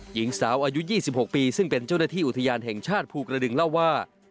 หญิงสาวอายุ๒๖ปีซึ่งเป็นเจ้าหน้าที่อุทยานแห่งชาติภูกระดึงเล่าว่า